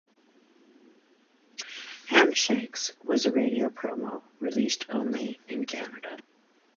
"Handshakes" was a radio promo, released only in Canada.